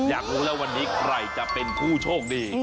อยากรู้แล้ววันนี้ใครจะเป็นผู้โชคดี